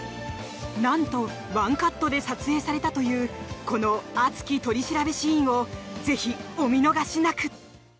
なんとワンカットで撮影されたというこの熱き取り調べシーンをぜひお見逃しなく！